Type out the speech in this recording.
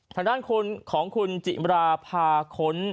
ทางด้านของคุณจิมราพาค้น